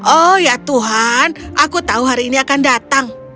oh ya tuhan aku tahu hari ini akan datang